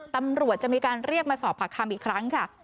ตำรวจจะมีการเรียกมาสอบปากคำอีกครั้งค่ะ